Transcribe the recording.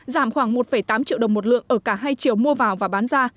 giảm khoảng một tám triệu đồng một lượng ở cả hai triệu mua vào và bán ra